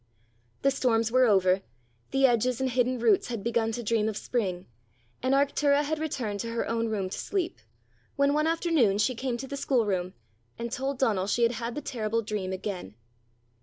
The storms were over, the hedges and hidden roots had begun to dream of spring, and Arctura had returned to her own room to sleep, when one afternoon she came to the schoolroom and told Donal she had had the terrible dream again.